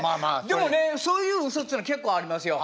でもねそういう嘘っていうのは結構ありますよ。